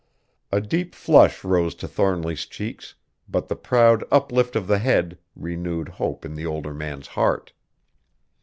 A deep flush rose to Thornly's cheeks, but the proud uplift of the head renewed hope in the older man's heart.